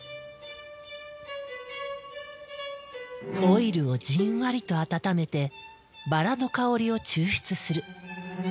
オイルをじんわりと温めてバラの香りを抽出する。